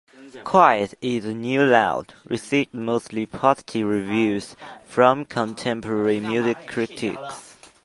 "Quiet Is the New Loud" received mostly positive reviews from contemporary music critics.